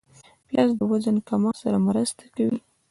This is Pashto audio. پیاز د وزن کمښت سره مرسته کوي